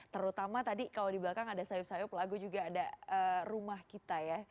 terutama tadi kalau di belakang ada sayup sayup lagu juga ada rumah kita ya